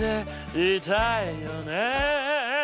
「いたいよね」